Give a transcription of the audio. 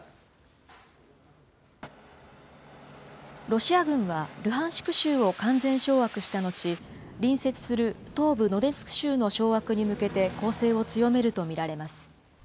ロシア軍は、ルハンシク州を完全掌握した後、隣接する東部ドネツク州の掌握に向けて、攻勢を強めると見られます。